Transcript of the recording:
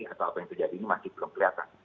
atau apa yang terjadi ini masih belum kelihatan